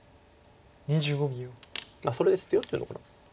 それで捨てようっていうのかな。